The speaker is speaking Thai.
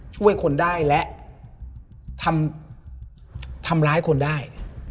ช่วยคนได้และทำร้ายคนได้